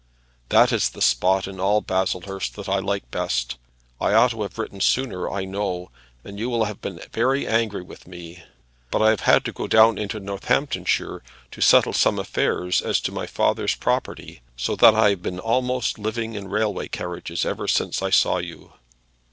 That is the spot in all Baslehurst that I like the best. I ought to have written sooner, I know, and you will have been very angry with me; but I have had to go down into Northamptonshire to settle some affairs as to my father's property, so that I have been almost living in railway carriages ever since I saw you.